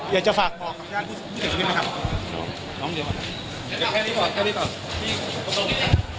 อยากจะฝากบอกครับอยากจะแค่นี้ก่อนแค่นี้ก่อน